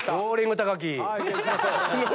じゃあいきましょう。